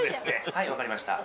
はい分かりました